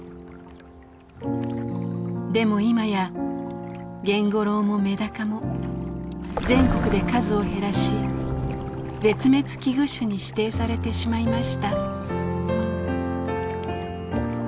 でも今やゲンゴロウもメダカも全国で数を減らし絶滅危惧種に指定されてしまいました。